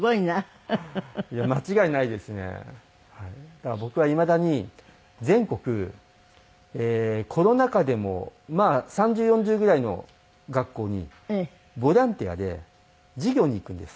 だから僕はいまだに全国コロナ禍でもまあ３０４０ぐらいの学校にボランティアで授業に行くんです。